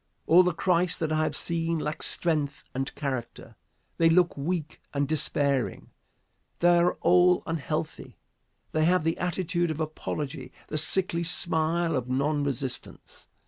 All the Christs that I have seen lack strength and character. They look weak and despairing. They are all unhealthy. They have the attitude of apology, the sickly smile of non resistance.